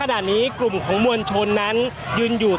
ก็น่าจะมีการเปิดทางให้รถพยาบาลเคลื่อนต่อไปนะครับ